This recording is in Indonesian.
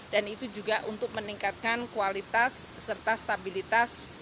dan itu juga untuk meningkatkan kualitas serta stabilitas